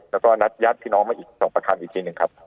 แล้วก็นัดญาติพี่น้องมาอีก๒ประคัมอีกทีหนึ่งครับ